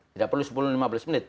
tidak perlu sepuluh lima belas menit